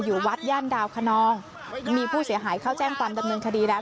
อยู่วัดย่านดาวคนองมีผู้เสียหายเข้าแจ้งความดำเนินคดีแล้ว